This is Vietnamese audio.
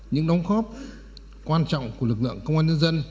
những đóng góp quan trọng của lực lượng công an nhân dân